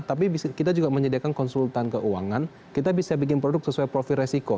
tapi kita juga menyediakan konsultan keuangan kita bisa bikin produk sesuai profil resiko